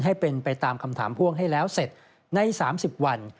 ให้เป็นไปตามคำถามพ่วงให้แล้วเสร็จใน๓๐วัน